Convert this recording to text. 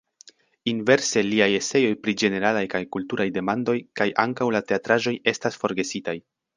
Inverse liaj eseoj pri ĝeneralaj kaj kulturaj demandoj kaj ankaŭ la teatraĵoj estas forgesitaj.